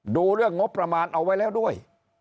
ดูเรื่องงบประมาณเอาไว้แล้วด้วย